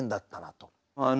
あの。